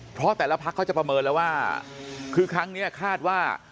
เพราะแต่ละพักเขาจะประเมินแล้วว่าคือครั้งนี้คาดว่า